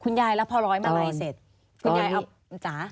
คุณยายรับภาร้อยเมื่อไหร่เสร็จ